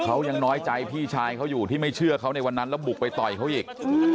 เขายังน้อยใจพี่ชายเขาอยู่ที่ไม่เชื่อเขาในวันนั้นแล้วบุกไปต่อยเขาอีก